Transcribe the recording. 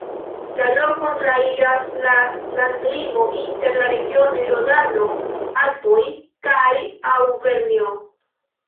La lokon trairas la landlimo inter la regionoj Rodano-Alpoj kaj Aŭvernjo.